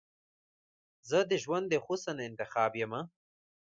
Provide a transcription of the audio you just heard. زه دژوند د حسن انتخاب یمه